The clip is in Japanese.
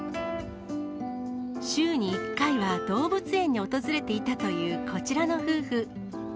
週に１回は動物園に訪れていたというこちらの夫婦。